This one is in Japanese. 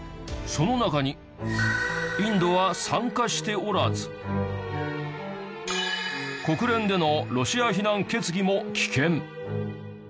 その中にインドは参加しておらず国連でのロシア非難決議も棄権。